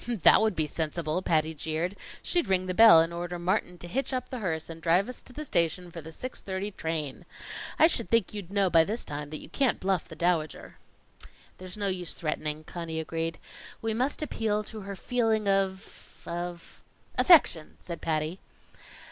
"That would be sensible!" Patty jeered. "She'd ring the bell and order Martin to hitch up the hearse and drive us to the station for the six thirty train. I should think you'd know by this time that you can't bluff the Dowager." "There's no use threatening," Conny agreed. "We must appeal to her feeling of of " "Affection," said Patty.